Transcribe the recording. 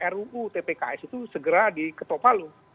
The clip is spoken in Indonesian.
ruu tpks itu segera diketopalu